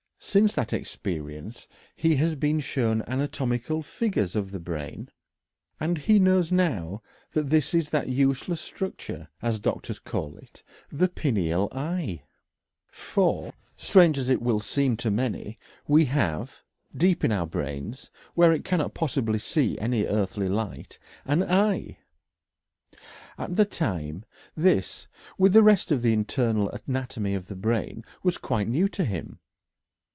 Since that experience he has been shown anatomical figures of the brain, and he knows now that this is that useless structure, as doctors call it, the pineal eye. For, strange as it will seem to many, we have, deep in our brains where it cannot possibly see any earthly light an eye! At the time this, with the rest of the internal anatomy of the brain, was quite new to him.